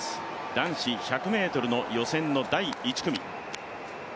男子１００ｍの予選の第１組。